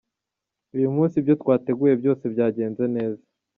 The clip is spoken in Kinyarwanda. Uyu munsi ibyo twateguye byose byagenze neza.